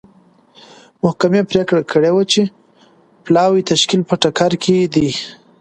محکمې پرېکړه کړې وه چې پلاوي تشکیل په ټکر کې دی.